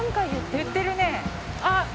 いってるね。